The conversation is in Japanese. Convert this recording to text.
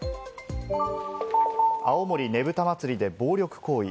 青森ねぶた祭で暴力行為。